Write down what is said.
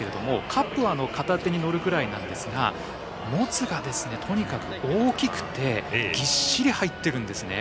カップは片手に乗るくらいなんですがもつがとにかく大きくてぎっしり入っているんですよね。